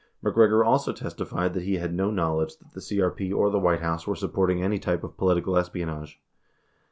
MacGregor also testified that he had no knowledge that the CRP or the White House were supporting any type of political espionage.